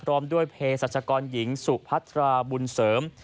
พร้อมด้วยเพศรัชกรหญิงสุพัทราบุญเสริม